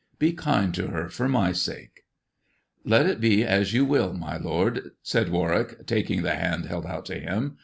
Be kind to her for my sake." " Let it be as you will, my lord," said Warwick, taking the hand held out to him.